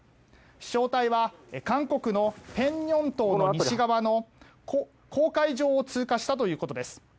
飛翔体は韓国のペンニョン島の西側の黄海上を通過したということです。